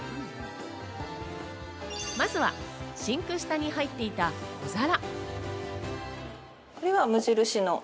まずはシンク下に入っていた小皿。